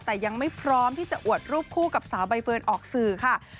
แต่ยังไม่พร้อมที่จะอวดรูปคู่กับสาวใบเฟิร์นออกสื่อค่ะ